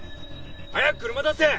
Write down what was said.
早く車出せ！